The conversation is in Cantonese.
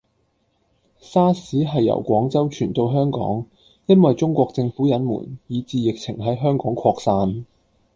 沙士喺由廣州傳到香港，因為中國政府隱瞞，以致疫情喺香港擴散